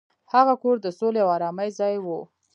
هغه کور د سولې او ارامۍ ځای و.